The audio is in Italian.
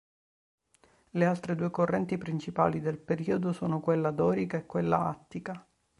Le altre due correnti principali del periodo sono quella dorica e quella attica.